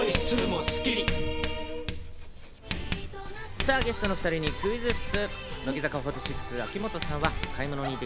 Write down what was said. さぁゲストの２人にクイズッス！